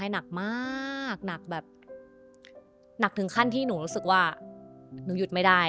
นักถึงขั้นที่ฉันยืดไม่ได้